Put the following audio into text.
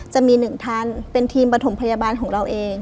จะมีหนึ่งท่านเป็นทีมประถมพยาบาลของเราเอง